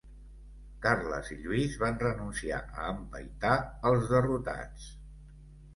Carles i Lluís van renunciar a empaitar als derrotats.